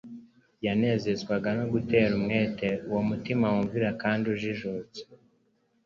Yanezezwaga no gutera umwete uwo mutima wumvira kandi ujijutse.